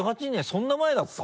そんな前だった？